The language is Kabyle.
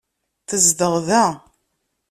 Tezdeɣ da.